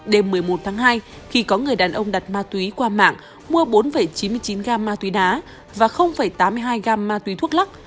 đêm một mươi một tháng hai khi có người đàn ông đặt ma túy qua mạng mua bốn chín mươi chín gam ma túy đá và tám mươi hai gam ma túy thuốc lắc